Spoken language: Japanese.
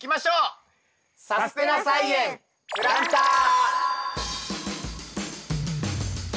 「さすてな菜園プランター」。